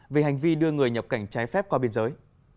về hành vi đưa người nhập cảnh trái phép qua biên giới